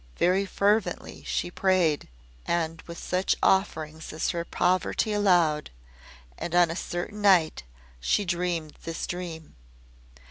Very fervently she prayed, with such offerings as her poverty allowed, and on a certain night she dreamed this dream.